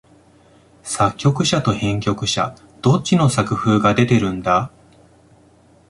作曲者と編曲者、どっちの作風が出てるんだ？